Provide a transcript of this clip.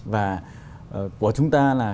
và của chúng ta là